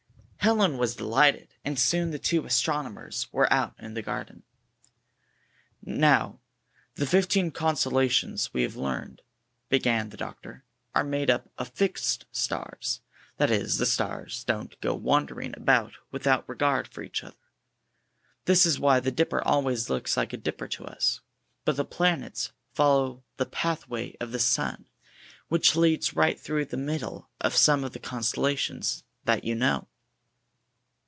59 Helen was delighted, and soon the two astronomers were out in the garden. "Now, the fifteen constellations we have learned," began the doctor, ''are made up of FIXED STARS. That is, the stars don't go wandering about without regard for each other. This is why the Dipper always looks like a Dipper to us. But the Planets follow the pathway of the sun, which leads right through the middle of some of the constella tions that you know."